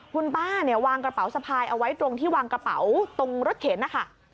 คุณป้าเนี่ยวางกระเป๋าสะพายเอาไว้ตรงที่วางกระเป๋าตรงรถเข็นนะคะ